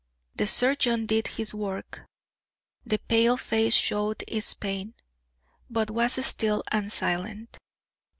The surgeon did his work. The pale face showed its pain, but was still and silent.